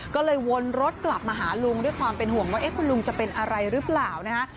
ก็เลยวนรถกลับมาหาลุงด้วยความเป็นห่วงว่าคุณลุงจะเป็นอะไรหรือเปล่านะฮะ